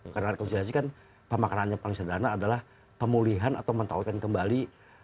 karena rekonisiasi kan pemakanannya paling sederhana adalah pemulihan atau mentautkan kembali